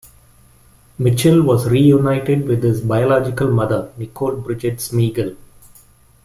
Mitchell was reunited with his biological mother, Nicole Bridget Smigiel.